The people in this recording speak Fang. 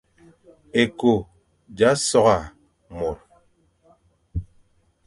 Ékô z a sôrga môr,